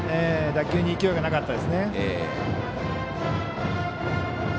打球に勢いがなかったですね。